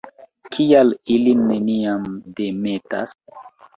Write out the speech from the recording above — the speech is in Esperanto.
Kial li ilin neniam demetas?